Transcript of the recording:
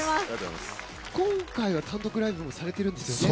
今回は単独ライブもされているんですよね。